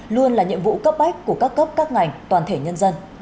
luôn là nhiệm vụ cấp bách của các cấp các ngành toàn thể nhân dân